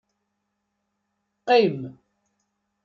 Qqim.